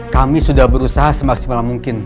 kami sudah berusaha semaksimal mungkin